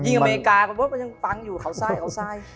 ยิงอเมริกามันยังปั๊งอยู่เขาทราย